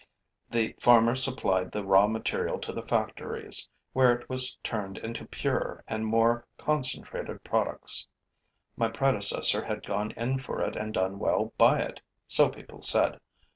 The farmer supplied the raw material to the factories, where it was turned into purer and more concentrated products. My predecessor had gone in for it and done well by it, so people said.